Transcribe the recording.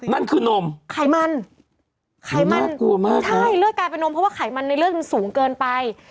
นั่นคือนมไขมันไขมันน่ากลัวมากใช่เลือดกลายเป็นนมเพราะว่าไขมันในเลือดมันสูงเกินไป